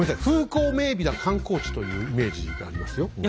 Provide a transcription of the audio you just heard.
風光明美な観光地というイメージがありますよ。